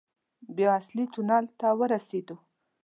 بيا اصلي تونل ته ورسېدو.